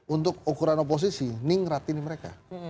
untuk ukuran oposisi ningrat ini mereka